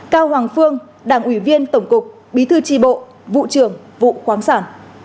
cao hoàng phương đảng ủy viên tổng cục bí thư tri bộ vụ trưởng vụ khoáng sản